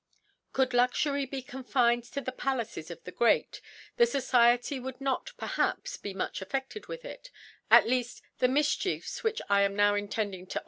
. Could Luxury be confined to the Palaces of the Great, the Society would not per haps be niuch affeded with it ; at lead, the Mifchiefs which I am now intending to.